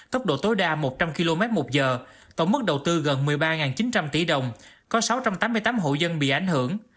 tốc độ tối đa một trăm linh km một giờ tổng mức đầu tư gần một mươi ba chín trăm linh tỷ đồng có sáu trăm tám mươi tám hộ dân bị ảnh hưởng